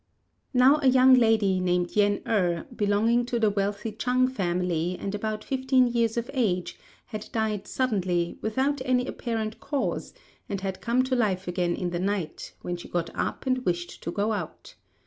Now a young lady named Yen êrh, belonging to the wealthy Chang family, and about fifteen years of age, had died suddenly, without any apparent cause, and had come to life again in the night, when she got up and wished to go out.